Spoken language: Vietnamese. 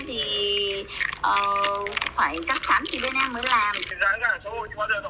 giá giảm thôi nhưng mà đều đóng rẻ thôi